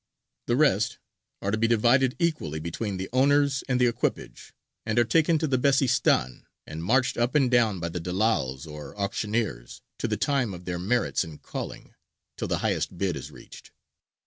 The rest are to be divided equally between the owners and the equipage, and are taken to the Besistān and marched up and down by the dellāls or auctioneers, to the time of their merits and calling, till the highest bid is reached.